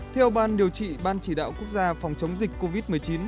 theo ban điều trị ban chỉ đạo quốc gia phòng chống dịch covid một mươi chín